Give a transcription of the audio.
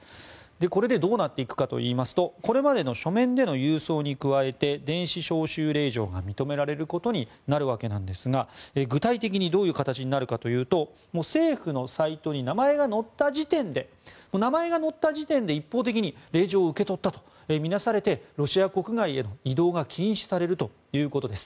これでどうなっていくかといいますとこれまでの書面での郵送に加えて電子招集令状が認められることになるわけなんですが具体的にどういう形になるかというと政府のサイトに名前が載った時点で一方的に令状を受け取ったと見なされてロシア国外への移動が禁止されるということです。